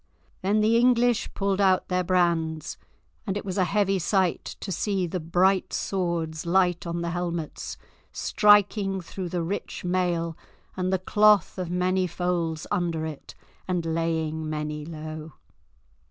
Then the English pulled out their brands, and it was a heavy sight to see the bright swords light on the helmets, striking through the rich mail, and the cloth of many folds under it, and laying many low.